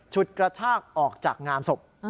ฉุดกระชากออกจากงานศพ